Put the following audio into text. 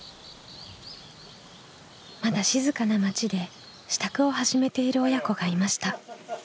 まだ静かな町で支度を始めている親子がいました。